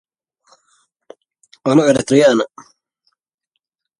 Write checks taking into account the features of the telegram mobile application